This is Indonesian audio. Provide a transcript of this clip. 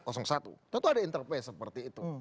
tentu ada interplace seperti itu